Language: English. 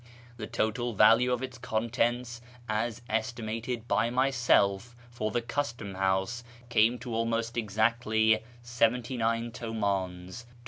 The total value of its contents, as estimated by myself for the Custom house, came to almost exactly 79 tumdns (£24).